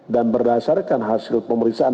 dan berdasarkan hasil pemeriksaan